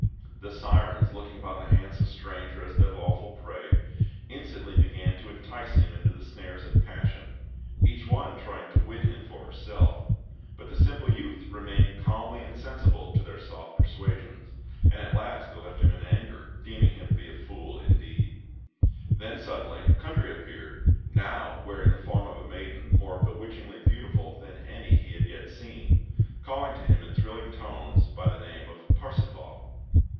The sirens, looking upon the handsome stranger as their lawful prey, instantly began to entice him into the snares of passion, each one trying to win him for herself; but the simple youth remained calmly insensible to their soft persuasions, and at last they left him in anger, deeming him to be a Fool, indeed. Then, suddenly, Kundry appeared, now wearing the form of a maiden more bewitchingly beautiful than any he had yet seen, calling to him in thrilling tones by the name of "Parsifal."